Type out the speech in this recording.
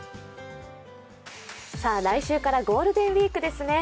来週からゴールデンウイークですね。